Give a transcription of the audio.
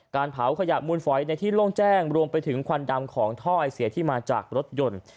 เผาขยะมูลฝอยในที่โล่งแจ้งรวมไปถึงควันดำของท่อไอเสียที่มาจากรถยนต์